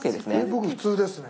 僕普通ですね。